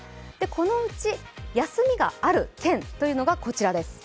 このうち休みがある県がこちらです。